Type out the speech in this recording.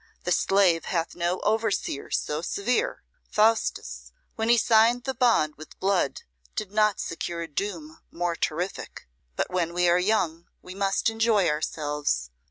The slave hath no overseer so severe. Faustus, when he signed the bond with blood, did not secure a doom more terrific. But when we are young we must enjoy ourselves.